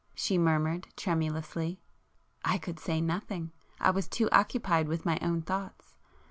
she murmured tremulously. I could say nothing,—I was too occupied with my own thoughts.